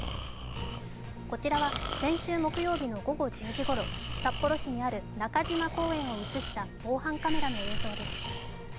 こちらは先週木曜日の午後１０時ごろ、札幌市にある中島公園を映した防犯カメラの映像です。